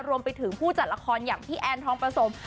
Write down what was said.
รวมไปถึงผู้จัดละครอย่างพี่แอนทองประสม